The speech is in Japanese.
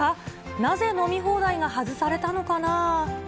なぜ飲み放題が外されたのかなー。